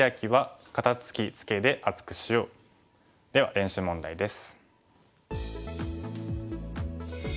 では練習問題です。